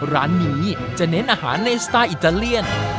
ร้านนี้จะเน้นอาหารในสไตล์อิตาเลียน